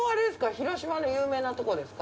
広島の有名なとこですか？